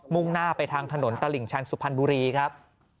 ่งหน้าไปทางถนนตลิ่งชันสุพรรณบุรีครับ